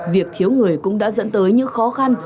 việc thiếu người cũng đã dẫn tới những khó khăn